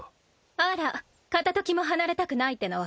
あら片時も離れたくないってのは本当よ。